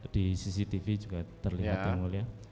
di cctv juga terlihat yang mulia